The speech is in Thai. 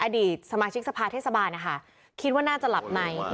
อดีตสมาชิกสภาเทศบาลกิจว่าน่าจะหลับไหม